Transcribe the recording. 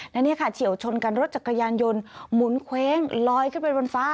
และนี่ค่ะเฉียวชนกันรถจักรยานยนต์หมุนเคว้งลอยขึ้นไปบนฟ้า